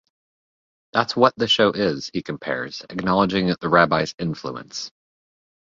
That's what the show is, he compares, acknowledging the rabbi's influence.